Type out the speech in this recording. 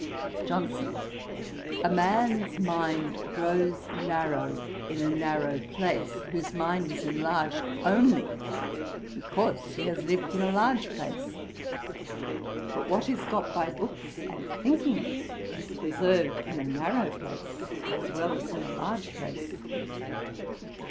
JOHNSON. 'A man's mind grows narrow in a narrow place, whose mind is enlarged only because he has lived in a large place: but what is got by books and thinking is preserved in a narrow place as well as in a large place.